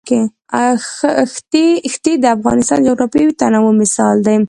ښتې د افغانستان د جغرافیوي تنوع مثال دی.